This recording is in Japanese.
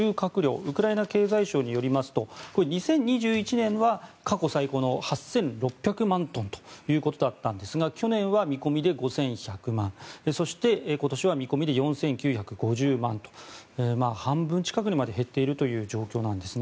ウクライナ経済省によりますと２０２１年は過去最高の８６００万トンということだったんですが去年は見込みで５１００万トンそして今年は見込みで４９５０万トン半分近くにまで減っているという状況なんですね。